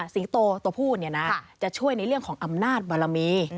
สิงโตตัวผู้จะช่วยในเรื่องของอำนาจบารมี